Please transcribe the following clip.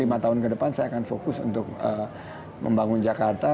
lima tahun ke depan saya akan fokus untuk membangun jakarta